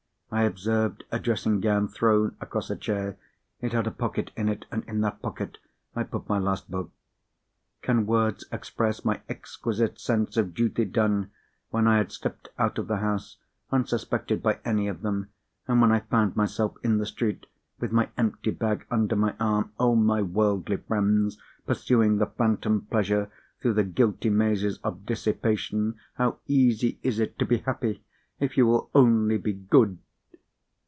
I observed a dressing gown thrown across a chair. It had a pocket in it, and in that pocket I put my last book. Can words express my exquisite sense of duty done, when I had slipped out of the house, unsuspected by any of them, and when I found myself in the street with my empty bag under my arm? Oh, my worldly friends, pursuing the phantom, Pleasure, through the guilty mazes of Dissipation, how easy it is to be happy, if you will only be good!